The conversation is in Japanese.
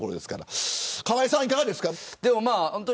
河井さんは、いかがですか。